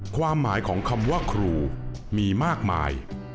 ความหมายของคำว่าครูมีมากมาย